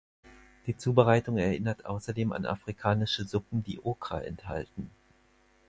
Die Zubereitung erinnert außerdem an afrikanische Suppen, die Okra enthalten.